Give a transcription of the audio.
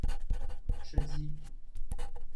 吃鸡